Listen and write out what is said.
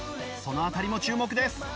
その辺りも注目です！